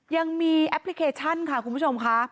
แอปพลิเคชันค่ะคุณผู้ชมค่ะ